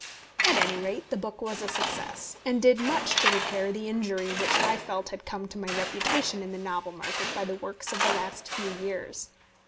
At any rate, the book was a success, and did much to repair the injury which I felt had come to my reputation in the novel market by the works of the last few years.